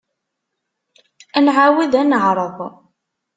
Ad nɛawed ad neɛreḍ.